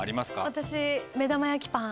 私目玉焼きパン。